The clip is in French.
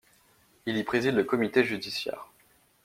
Il y préside le comité judiciaire.